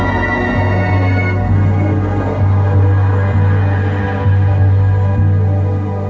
โชว์สี่ภาคจากอัลคาซ่าครับ